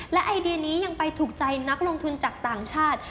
และไอเดียนี้ยังไปถูกใจนักลงทุนจากต่างชาติ